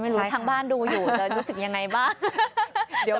ไม่รู้ทั้งบ้านดูอยู่จะรู้สึกอย่างไรบ้าง